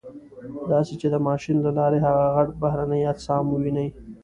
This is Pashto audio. داسې چې د ماشین له لارې هغه غټ بهرني اجسام وویني.